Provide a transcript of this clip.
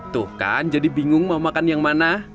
tuh kan jadi bingung mau makan yang mana